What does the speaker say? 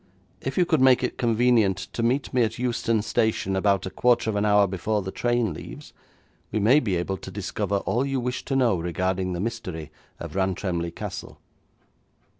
If you could make it convenient to meet me at Euston Station about a quarter of an hour before the train leaves, we may be able to discover all you wish to know regarding the mystery of Rantremly Castle.'